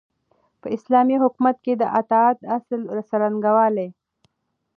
په اسلامي حکومت کي د اطاعت د اصل څرنګوالی